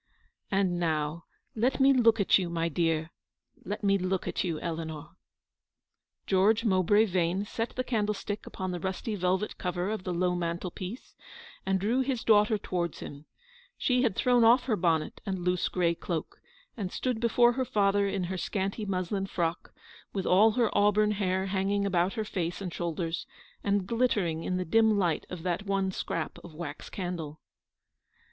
"And now let me look at you, my dear; let me look at you, Eleanor." George Mowbray Vane set the candlestick upon the rusty velvet cover of the low mantel piece, and drew his daughter towards him. She THE ENTRESOL IN THE RUE DE i/aRCHEVEQTJE. 23 had thrown off her bonnet and loose grey cloak, and stood before her father in her scanty muslin frock, with all her auburn hair hanging about her face and shoulders, and glittering in the dim light of that one scrap of wax candle.